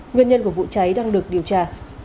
nguyên nhân của vụ cháy đang được điều tra